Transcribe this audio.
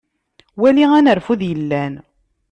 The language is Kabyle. Wali anerfud yellan.